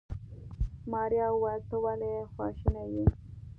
ماريا وويل ته ولې خواشيني يې.